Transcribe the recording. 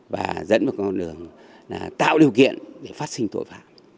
và dẫn một con đường là tạo điều kiện để phát sinh tội phạm